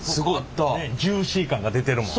ジューシー感が出てるもん。